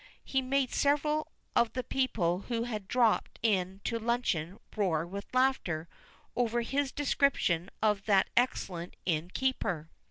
He made several of the people who had dropped in to luncheon roar with laughter over his description of that excellent inn keeper.